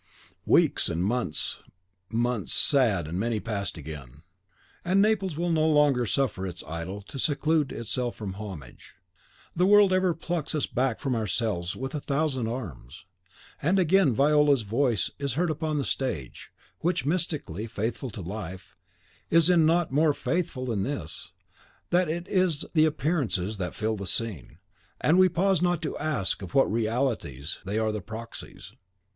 Weeks and months months sad and many again passed, and Naples will not longer suffer its idol to seclude itself from homage. The world ever plucks us back from ourselves with a thousand arms. And again Viola's voice is heard upon the stage, which, mystically faithful to life, is in nought more faithful than this, that it is the appearances that fill the scene; and we pause not to ask of what realities they are the proxies.